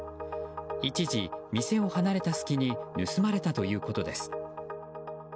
一時、店を離れた隙に盗まれたということです。